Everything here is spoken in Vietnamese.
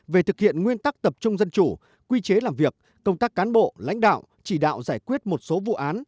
về thực hiện nguyên tắc tập trung dân chủ quy chế làm việc công tác cán bộ lãnh đạo chỉ đạo giải quyết một số vụ án